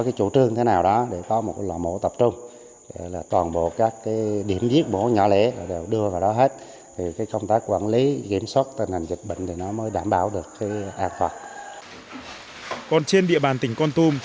còn trên địa bàn tỉnh con tum